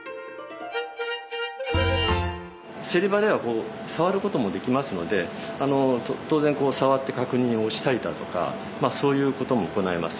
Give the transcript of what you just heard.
セリ場ではこう触ることもできますので当然こう触って確認をしたりだとかまあそういうことも行います。